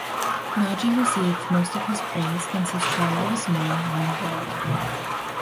Naji received most of his praise once his trial was known around the world.